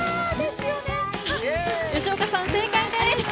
吉岡さん、正解です！